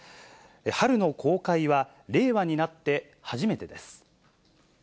春の公開は、令和になって初めてです。